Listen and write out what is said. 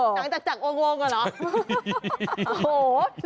หนังจากจักรวงหรอ